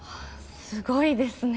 すごいですね